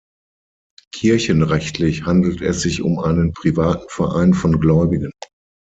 Kirchenrechtlich handelt es sich um einen „privaten Verein von Gläubigen“.